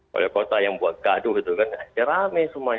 wali kota yang buat gaduh itu kan ya ramai semuanya